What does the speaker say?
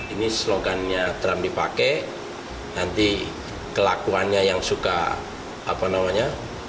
ini slogannya trump dipakai nanti kelakuannya yang suka apa namanya